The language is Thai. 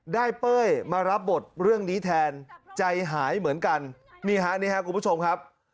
เป้ยมารับบทเรื่องนี้แทนใจหายเหมือนกันนี่ฮะนี่ครับคุณผู้ชมครับ